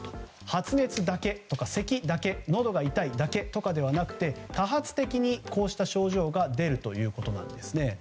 発熱だけとか、せきだけのどが痛いだけではなくて多発的にこうした症状が出るということなんですね。